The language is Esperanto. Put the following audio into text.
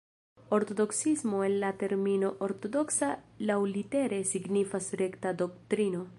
Ortodoksismo, el la termino "ortodoksa" laŭlitere signifas "rekta doktrino".